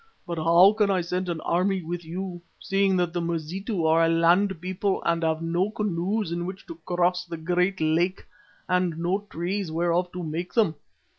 But how can I send an army with you, seeing that the Mazitu are a land people and have no canoes in which to cross the great lake, and no trees whereof to make them?"